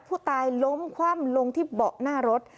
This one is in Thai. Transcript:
ผู้ตายล้มคว่ำลงที่เบาะหน้ารถ